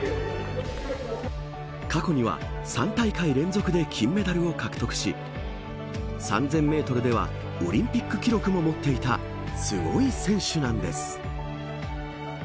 過去には３大会連続で金メダルを獲得し３０００メートルではオリンピック記録も持っていたすごい選手なんです。